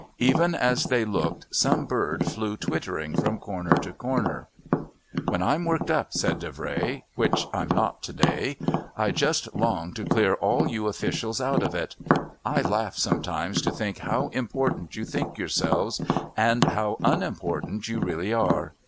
Even as they looked some bird flew twittering from corner to corner. "When I'm worked up," said Davray, "which I'm not to day, I just long to clear all you officials out of it. I laugh sometimes to think how important you think yourselves and how unimportant you really are.